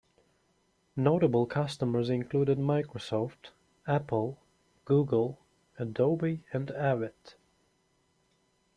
Notable customers included Microsoft, Apple, Google, Adobe and Avid.